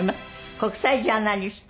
国際ジャーナリスト。